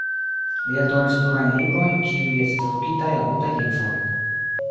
Li eldonis plurajn librojn, kiuj estis tradukitaj al multaj lingvoj.